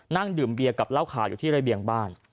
นั่งดื่มเบียร์กับเหล้าขาวอยู่ที่ระเบียงบ้าน